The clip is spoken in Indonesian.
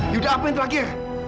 yaudah apa yang terakhir